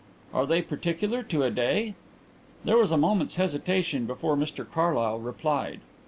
"Are they particular to a day?" There was a moment's hesitation before Mr Carlyle replied.